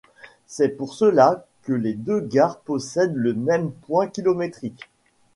C'est pour cela que les deux gares possèdent le même point kilométrique.